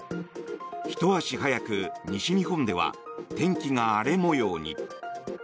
ひと足早く西日本では天気が荒れ模様に。